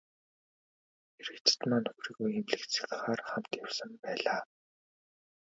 Эрэгзэдмаа нөхрийгөө эмнэлэгт сахихаар хамт явсан байлаа.